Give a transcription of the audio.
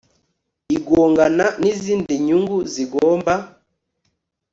igongana n izindi nyungu zigomba